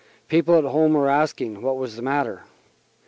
People at home were asking what was the matter.